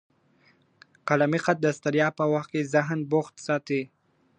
قلمي خط د ستړیا په وخت کي ذهن بوخت ساتي.